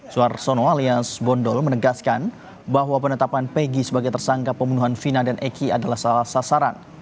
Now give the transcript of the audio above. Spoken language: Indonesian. suarsono alias bondol menegaskan bahwa penetapan pegi sebagai tersangka pembunuhan vina dan eki adalah salah sasaran